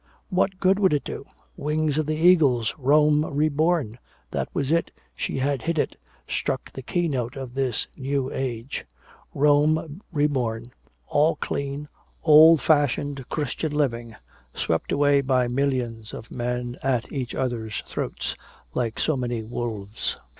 What good would it do? Wings of the Eagles, Rome reborn. That was it, she had hit it, struck the keynote of this new age. Rome reborn, all clean, old fashioned Christian living swept away by millions of men at each others' throats like so many wolves.